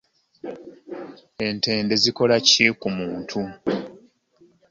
Entende zikola ki kumuntu?